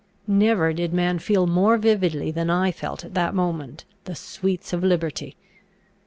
Never did man feel more vividly, than I felt at that moment, the sweets of liberty.